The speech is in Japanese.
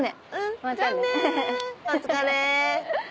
お疲れ。